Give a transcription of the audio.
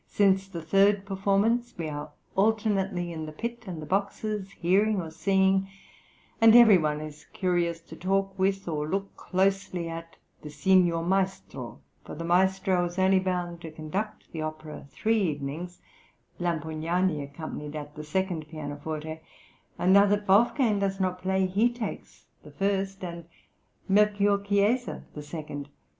Since the third performance we are alternately in the pit and the boxes, hearing or seeing, and every one is curious to talk with or look closely at the Signor Maestro, for the maestro is only bound to conduct the opera three evenings; Lampugnani accompanied at the second pianoforte, and now that Wolfgang does not play, he takes the first, and Melchior Chiesa the second.